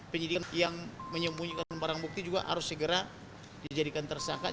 penyidik yang menyembunyikan barang bukti juga harus segera dijadikan tersangka